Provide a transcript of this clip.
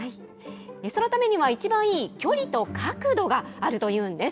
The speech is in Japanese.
そのためにはいちばんいい距離と角度があるというんです。